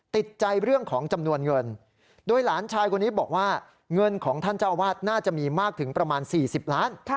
ติดใจเรื่องของจำนวนเงินโดยหลานชายคนนี้บอกว่าเงินของท่านเจ้าอาวาสน่าจะมีมากถึงประมาณ๔๐ล้าน